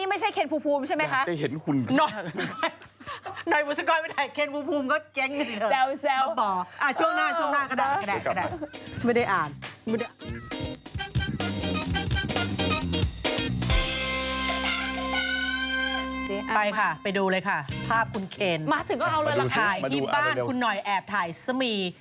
มาสื่อคือเอาเลยละครั้งถ่ายที่บ้านคุณหน่อยแอบถ่ายสมี